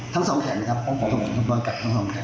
ทั้งสองแขนครับ